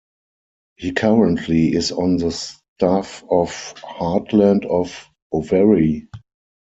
He currently is on the staff of Heartland of Owerri.